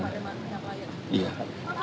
ada wna pak